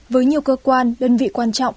với nhiều cơ quan đơn vị quan trọng